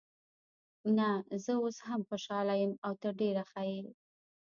نه، زه اوس هم خوشحاله یم او ته ډېره ښه یې.